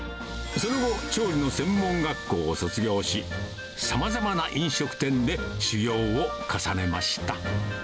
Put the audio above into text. その後、調理の専門学校を卒業し、さまざまな飲食店で修業を重ねました。